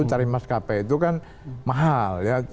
mencari maskapai itu kan mahal ya